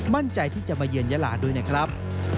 มั่นใจที่จะมาเยือนยาลาด้วยนะครับ